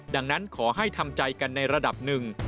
ดังนั้นขอให้ทำใจกันในระดับหนึ่ง